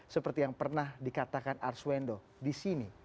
seperti yang pernah dikatakan arswendo di sini